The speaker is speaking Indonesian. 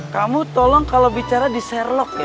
kamu tolong kalau bicara di serlok ya